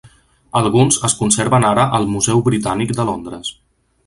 Alguns es conserven ara al Museu Britànic de Londres.